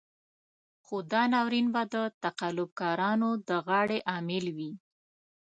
خو دا ناورين به د تقلب کارانو د غاړې امېل وي.